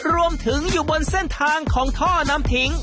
รวมถึงอยู่บนเส้นทางของท่อน้ำทิ้ง